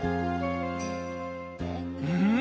うん！